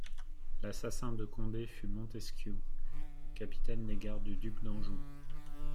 L'assassin de Condé fut Montesquiou, capitaine des gardes du duc d'Anjou.